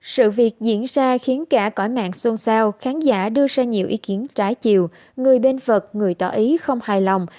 sự việc diễn ra khiến cả cõi mạng xôn xao khán giả đưa ra nhiều ý kiến trái chiều người bên phật người tỏ ý không hài lòng